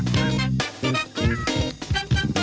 สวัสดีค่ะคุณผู้ชมค่ะ